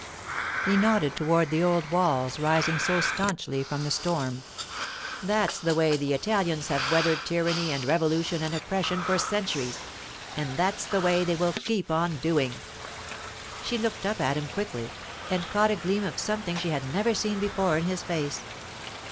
He nodded toward the old walls rising so stanchly from the storm. 'That's the way the Italians have weathered tyranny and revolution and oppression for centuries, and that's the way they will keep on doing.' She looked up at him quickly, and caught a gleam of something she had never seen before in his face.